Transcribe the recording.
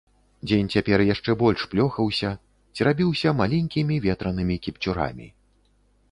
Дзень цяпер яшчэ больш плёхаўся, церабіўся маленькімі ветранымі кіпцюрамі.